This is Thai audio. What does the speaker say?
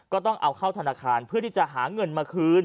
ก็ต้องเอาเข้าธนาคารเพื่อที่จะหาเงินมาคืน